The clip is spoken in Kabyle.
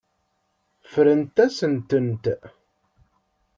Ffrent-asent-tent.